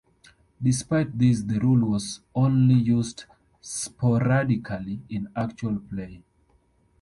Despite this the rule was only used sporadically in actual play.